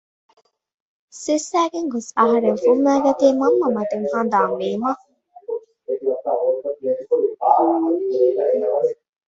ސިއްސައިގެން ގޮސް އަހަރެން ފުއްމައިގަތީ މަންމަ މަތިން ހަނދާން ވީމަ